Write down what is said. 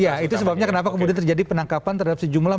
ya itu sebabnya kenapa kemudian terjadi penangkapan terhadap sejumlah